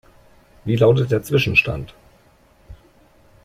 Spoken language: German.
Wie lautet der Zwischenstand?